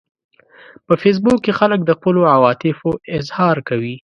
په فېسبوک کې خلک د خپلو عواطفو اظهار کوي